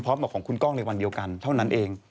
มาของคุณกล้องในวันเดียวกันเท่านั้นเอง